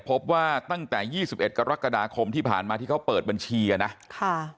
พบว่าตั้งแต่ยี่สิบเอ็ดกรกฎาคมที่ผ่านมาที่เขาเปิดบัญชีอ่ะนะค่ะ